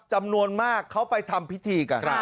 จำนวนมากเขาไปทำพิธีกัน